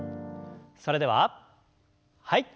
それでははい。